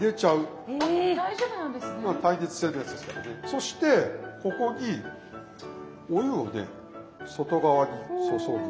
そしてここにお湯をね外側に注ぐ。